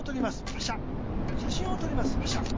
パシャ。